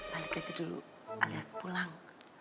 balik gaji dulu alias pulang